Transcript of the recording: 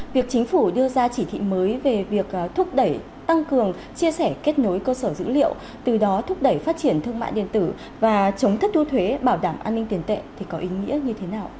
việc chính phủ đưa ra chỉ thị mới về việc thúc đẩy tăng cường chia sẻ kết nối cơ sở dữ liệu từ đó thúc đẩy phát triển thương mại điện tử và chống thất thu thuế bảo đảm an ninh tiền tệ thì có ý nghĩa như thế nào